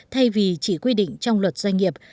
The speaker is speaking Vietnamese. thay vì chỉ quy định trong luật doanh nghiệp